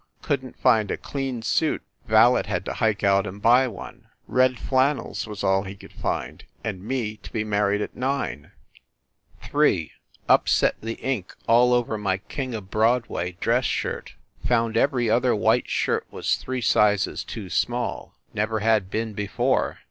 Couldn t find a clean suit ; valet had to hike out and buy one. Red flannels was all he could find, and me to be married at nine ! 3. Upset the ink all over my "King of Broadway" dress shirt. Found every other white shirt was three sizes too small. Never had been before.